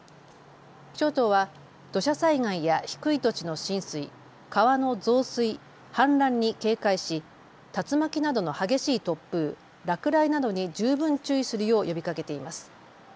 気象庁は土砂災害や低い土地の浸水、川の増水、氾濫に警戒し竜巻などの激しい突風、落雷などに十分注意するよう呼びかけています。